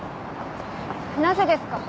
なぜですか？